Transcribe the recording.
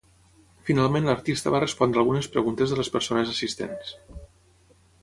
Finalment l'artista va respondre algunes preguntes de les persones assistents.